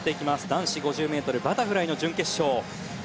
男子５０ｍバタフライの準決勝。